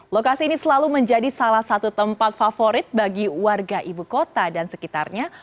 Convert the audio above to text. lokasi ini selalu menjadi salah satu tempat favorit bagi warga ibu kota dan sekitarnya